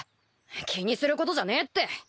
気にすることじゃねえって。